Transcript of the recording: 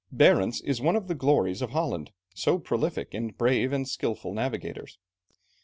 Barentz is one of the glories of Holland, so prolific in brave and skilful navigators.